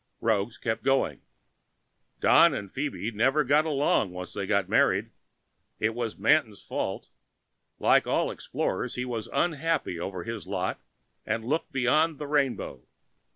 Roggs kept going. "Don and Phoebe never got along once they were married. It was Manton's fault. Like all explorers he was unhappy over his lot and looked beyond the rainbow.